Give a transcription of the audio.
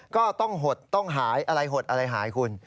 ก็ต้องหดต้องหายอะไรหดอะไรหายคุณ